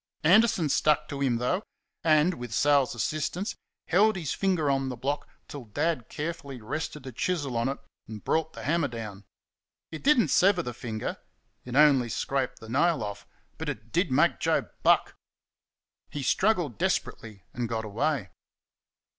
Anderson stuck to him, though, and with Sal's assistance held his finger on the block till Dad carefully rested the chisel on it and brought the hammer down. It did n't sever the finger it only scraped the nail off but it did make Joe buck. He struggled desperately and got away.